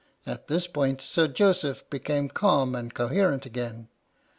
At this point Sir Joseph became calm and coherent again.